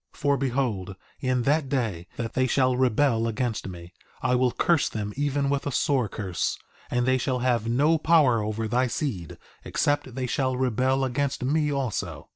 2:23 For behold, in that day that they shall rebel against me, I will curse them even with a sore curse, and they shall have no power over thy seed except they shall rebel against me also.